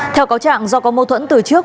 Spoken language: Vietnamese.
theo cáo trạng do có mâu thuẫn từ trước